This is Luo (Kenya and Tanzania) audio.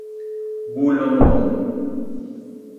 Bulo ngor